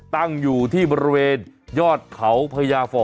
ตั้งอยู่ที่บริเวณยอดเขาพญาฟอ